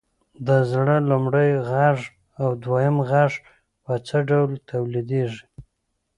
د زړه لومړی غږ او دویم غږ په څه ډول تولیدیږي؟